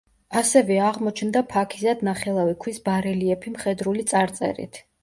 ასევე აღმოჩნდა ფაქიზად ნახელავი ქვის ბარელიეფი მხედრული წარწერით.